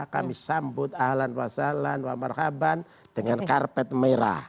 kami sambut ahlan wa salan wa marhaban dengan karpet merah